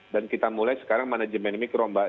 dan kita mulai sekarang manajemen mikro mbak